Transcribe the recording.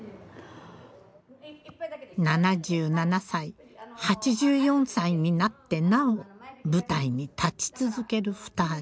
７７歳８４歳になってなお舞台に立ち続ける２人。